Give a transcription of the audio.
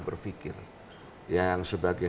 berfikir yang sebagai